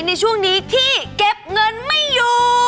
ในช่วงนี้ที่เก็บเงินไม่อยู่